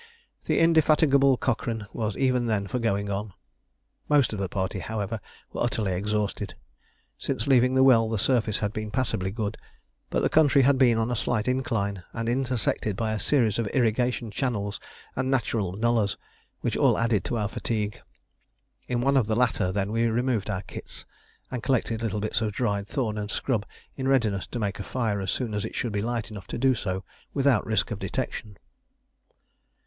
The indefatigable Cochrane was even then for going on. Most of the party, however, were utterly exhausted: since leaving the well the surface had been passably good, but the country had been on a slight incline, and intersected by a series of irrigation channels and natural nullahs, which all added to our fatigue. In one of the latter, then, we removed our kits, and collected little bits of dried thorn and scrub in readiness to make a fire as soon as it should be light enough to do so without risk of detection.